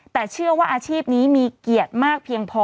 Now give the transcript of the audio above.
แต่เชื่อว่าอาชีพนี้มีเกียรติมากเพียงพอ